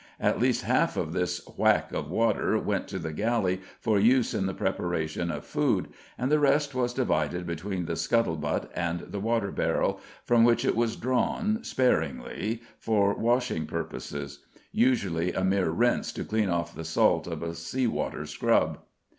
At least half of this "whack" of water went to the galley for use in the preparation of food and the rest was divided between the scuttle butt and the water barrel, from which it was drawn sparingly for washing purposes; usually a mere rinse to clean off the salt of a sea water scrub.